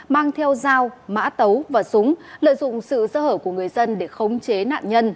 mang theo dao mã tấu và súng lợi dụng sự sơ hở của người dân để khống chế nạn nhân